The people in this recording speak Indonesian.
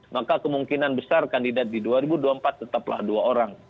maka kemungkinan besar kandidat di dua ribu dua puluh empat tetaplah dua orang